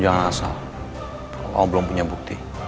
kamu jangan asal kalau om belum punya bukti